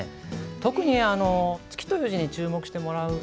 特にあの「月」という字に注目してもらうとですね